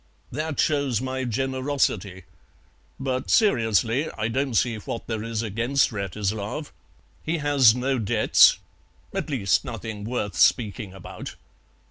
"That shows my generosity. But, seriously, I don't see what there is against Wratislav. He has no debts at least, nothing worth speaking about."